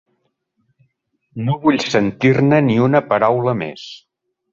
No vull sentir-ne ni una paraula més.